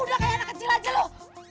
udah kayak anak kecil aja loh